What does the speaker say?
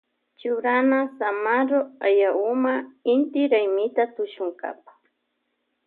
Churana zamarro diablo huma inti raymita tushunkapa.